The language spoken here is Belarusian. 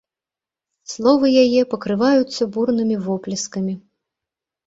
Словы яе пакрываюцца бурнымі воплескамі.